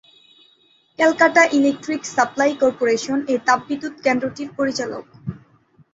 Calcutta electric supply corporation এই তাপবিদ্যুৎ কেন্দ্রটির পরিচালক।